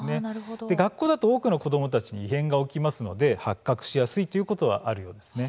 学校だと多くの子どもたちに異変が起きますので発覚しやすいということはあります。